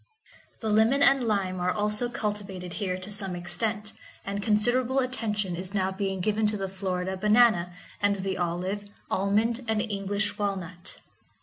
The lemon and lime are also cultivated here to some extent, and considerable attention is now being given to the Florida banana, and the olive, almond, and English walnut.